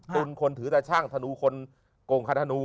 ตุนคนถือราช่างธนู